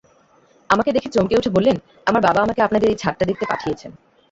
আমাকে দেখে চমকে উঠে বললেন, আমার বাবা আমাকে আপনাদের এই ছাদটা দেখতে পাঠিয়েছেন।